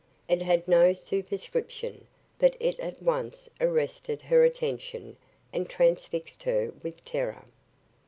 It had no superscription, but it at once arrested her attention and transfixed her with terror.